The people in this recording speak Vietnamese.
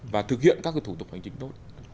và thực hiện các thủ tục hành chính tốt